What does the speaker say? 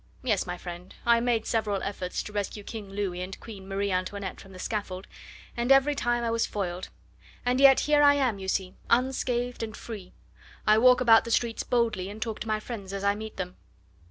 Yes, my friend, I made several efforts to rescue King Louis and Queen Marie Antoinette from the scaffold, and every time I was foiled, and yet here I am, you see, unscathed and free. I walk about the streets boldly, and talk to my friends as I meet them."